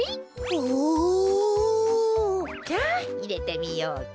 おお！じゃあいれてみようか。